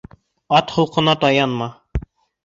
Ат холҡона таянма.